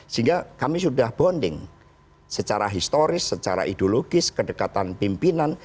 sehingga kami sudah bonding secara historis secara ideologis kedekatan pimpinan